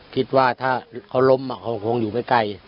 คิดว่าถ้าเขาล้มเขาคงอยู่ไม่ไกล